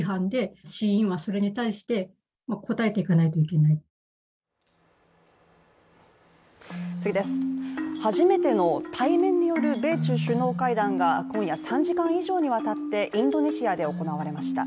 今後の課題は初めての対面による米中首脳会談が今夜、３時間以上にわたってインドネシアで行われました。